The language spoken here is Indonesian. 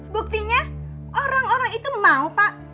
buktinya orang orang itu mau pak